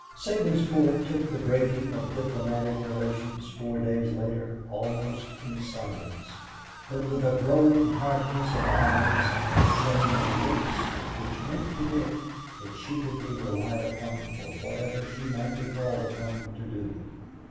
Sabinsport took the breaking of diplomatic relations, four days later, almost in silence, but with a growing hardness of eyes and a setting of lips which meant to Dick that she could be relied upon for whatever she might be called upon to do.